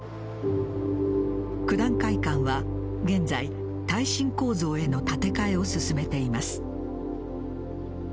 九段会館は現在耐震構造への建て替えを進めています。